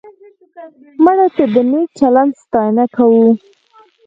مړه ته د نیک چلند ستاینه کوو